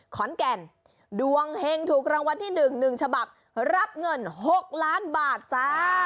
ขอนแก่นดวงเฮงถูกรางวัลที่๑๑ฉบับรับเงิน๖ล้านบาทจ้า